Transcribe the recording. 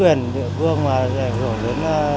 và ảnh hưởng đến xã hội